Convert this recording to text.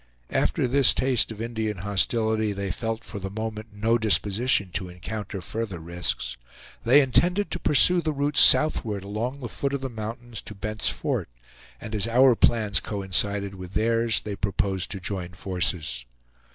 After this taste of Indian hostility they felt for the moment no disposition to encounter further risks. They intended to pursue the route southward along the foot of the mountains to Bent's Fort; and as our plans coincided with theirs, they proposed to join forces.